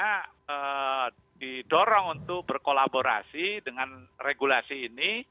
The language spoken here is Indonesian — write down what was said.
karena didorong untuk berkolaborasi dengan regulasi ini